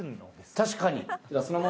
確かに。